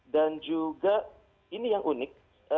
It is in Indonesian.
dan juga ini yang unik